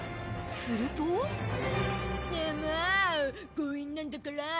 強引なんだから。